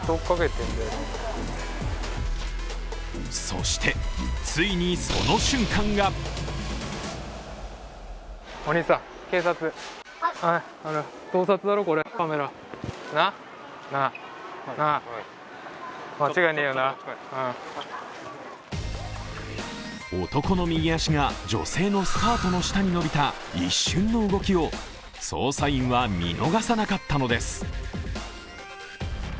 そして、ついにその瞬間が男の右足が女性のスカートの下に伸びた一瞬の動きを捜査員は見逃さなかったのです。